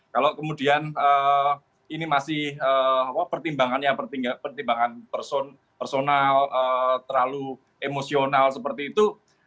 kalau kemudian ini masih pertimbangannya pertimbangan personal terlalu emosional seperti itu